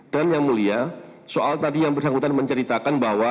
dan yang mulia soal tadi yang bersangkutan menceritakan bahwa